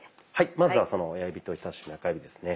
まずは親指人さし指中指ですね。